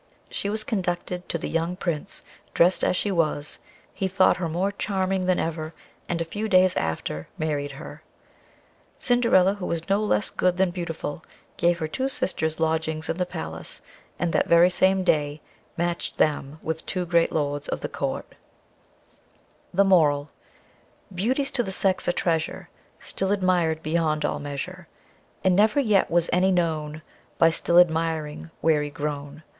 She was conducted to the young Prince, dressed as she was; he thought her more charming than ever, and, a few days after, married her. Cinderilla, who was no less good than beautiful, gave her two sisters lodgings in the palace, and that very same day matched them with two great lords of the court. The Moral _Beauty's to the sex a treasure, Still admir'd beyond all measure, And never yet was any known, By still admiring, weary grown.